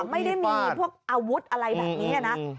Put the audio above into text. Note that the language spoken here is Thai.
ไม่ได้มีพวกอาวุธอะไรแบบนี้นะ